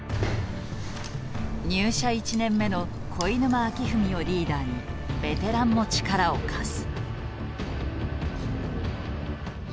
入社１年目の肥沼晃史をリーダーにベテランも力を貸す。